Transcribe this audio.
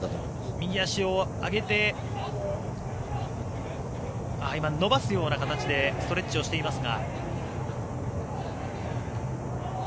右足を上げて今、伸ばすような形でストレッチをしていますが。